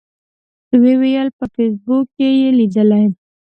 و یې ویل په فیسبوک کې یې لیدلي.